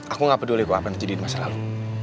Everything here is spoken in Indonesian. aku gak peduli kok apa yang terjadi di masa lalu